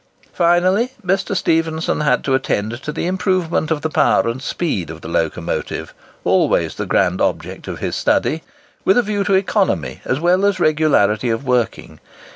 Finally, Mr. Stephenson had to attend to the improvement of the power and speed of the locomotive—always the grand object of his study,—with a view to economy as well as regularity of working.